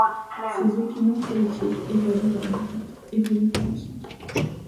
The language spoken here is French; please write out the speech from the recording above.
Ses opinions politiques évoluent vers le centre.